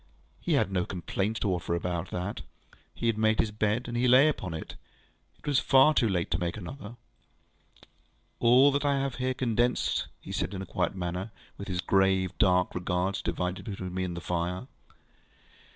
He had no complaint to offer about that. He had made his bed, and he lay upon it. It was far too late to make another. [Picture: The signal man] All that I have here condensed he said in a quiet manner, with his grave, dark regards divided between me and the fire.